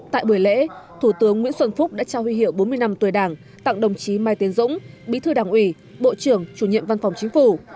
tại buổi lễ thủ tướng nguyễn xuân phúc đã trao huy hiệu bốn mươi năm tuổi đảng tặng đồng chí mai tiến dũng bí thư đảng ủy bộ trưởng chủ nhiệm văn phòng chính phủ